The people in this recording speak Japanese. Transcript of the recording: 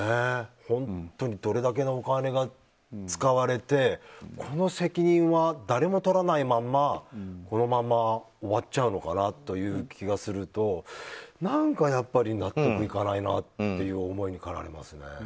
本当にどれだけのお金が使われてこの責任は誰もとらないままこのまま終わっちゃうのかなという気がすると何かやっぱり納得いかないなという思いに駆られますね。